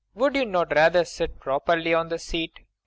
] Would you not rather sit properly on the seat?